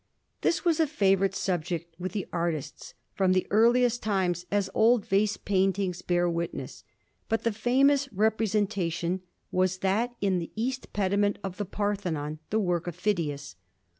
This was a favorite subject with the artists from the earliest times as old vase paintings bear witness. But the famous representation was that in the east pediment of the Parthenon, the work of Phidias.